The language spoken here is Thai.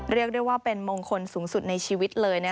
เรียกได้ว่าเป็นมงคลสูงสุดในชีวิตเลย